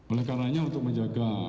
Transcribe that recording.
oleh karanya untuk menjaga